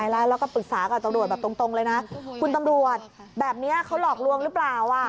แล้วก็ปรึกษากับตำรวจแบบตรงเลยนะคุณตำรวจแบบนี้เขาหลอกลวงหรือเปล่า